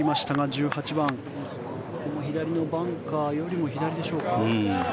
１８番、左のバンカーよりも左でしょうか。